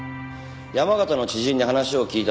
山形の知人に話を聞いたところ